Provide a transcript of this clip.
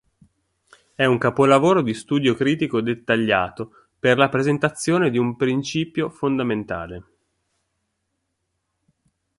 È un capolavoro di studio critico dettagliato per la presentazione di un principio fondamentale.